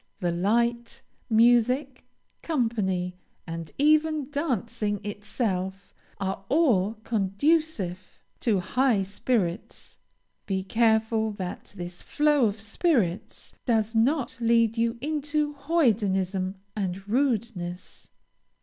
The light, music, company, and even dancing itself, are all conducive to high spirits; be careful that this flow of spirits does not lead you into hoydenism and rudeness.